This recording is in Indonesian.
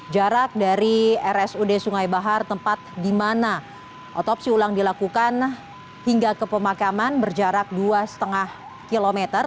jarak dari rsud sungai bahar tempat di mana otopsi ulang dilakukan hingga ke pemakaman berjarak dua lima km